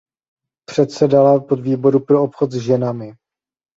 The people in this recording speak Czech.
Předsedala podvýboru pro obchod s ženami.